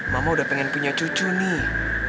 mama udah pengen punya cucu nih